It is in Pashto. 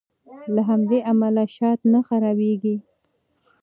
له همدې امله شات نه خرابیږي.